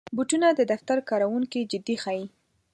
بوټونه د دفتر کارکوونکي جدي ښيي.